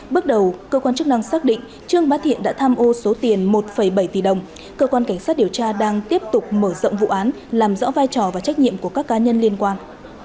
bước đầu cơ quan chức năng xác định trương bá thiện đã tham ô số tiền một bảy tỷ đồng cơ quan cảnh sát điều tra đang tiếp tục mở rộng vụ án làm rõ vai trò và trách nhiệm của các cá nhân liên quan